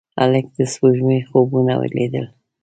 هلک د سپوږمۍ خوبونه لیدل.